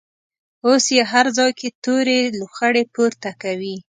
اوس یې هر ځای کې تورې لوخړې پورته کوي.